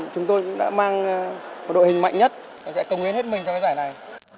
chúng tôi đã mang đội hình mạnh nhất sẽ công yến hết mình cho cái giải này